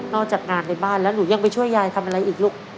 จากงานในบ้านแล้วหนูยังไปช่วยยายทำอะไรอีกลูก